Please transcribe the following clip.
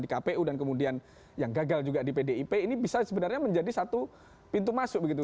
di kpu dan kemudian yang gagal juga di pdip ini bisa sebenarnya menjadi satu pintu masuk begitu